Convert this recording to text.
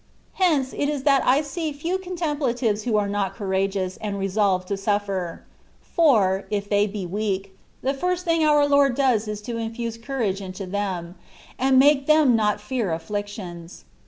Hence it is that I see few contemplatives who are not courageous, and resolved to suffer ; for, if they be weak, the first thing our Lord does is to infuse courage into them, and make them not fear afflictions.